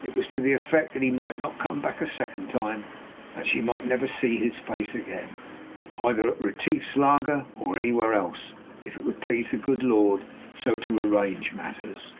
It was to the effect that he might not come back a second time, and that she might never see his face again, either at Retief's laager or anywhere else, if it would please the good Lord so to arrange matters.